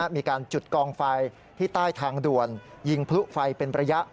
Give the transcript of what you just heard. มีการจุดกองไฟที่ใต้ทางด่วนยิงพลุไฟเป็นระยะ